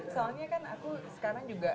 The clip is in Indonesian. soalnya kan aku sekarang juga